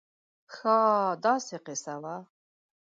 خاا داسې قیصه وه